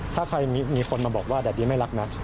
ถ้าใครมีคนมาบอกว่าแดดดี้ไม่รักแม็กซ